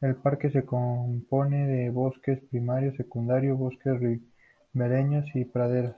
El parque se compone de bosque primario, secundario, bosques ribereños y praderas.